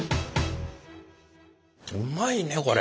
うまいねこれ。